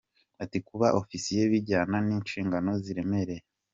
Ati “Kuba ofisiye bijyana n’inshingano ziremereye.